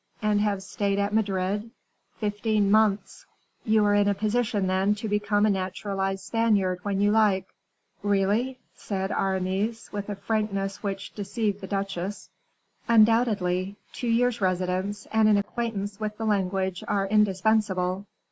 "And have stayed at Madrid?" "Fifteen months." "You are in a position, then, to become a naturalized Spaniard, when you like." "Really?" said Aramis, with a frankness which deceived the duchesse. "Undoubtedly. Two years' residence and an acquaintance with the language are indispensable.